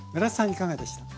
いかがでした？